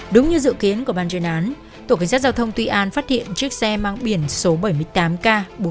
đúng như dự kiến của ban truyền án tổ cảnh sát giao thông tuy an phát hiện chiếc xe mang biển số bảy mươi tám k bốn nghìn một trăm chín mươi ba